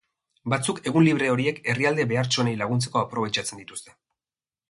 Batzuk egun libre horiek herrialde behartsuenei laguntzeko aprobetxatzen dituzte.